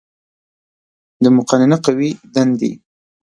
د مقننه قوې دندې